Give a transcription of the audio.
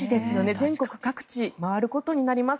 全国各地、回ることになります。